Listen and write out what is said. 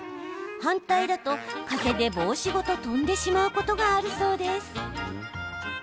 反対だと、風で帽子ごと飛んでしまうことがあるそうです。